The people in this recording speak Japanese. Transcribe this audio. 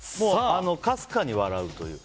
かすかに笑うという。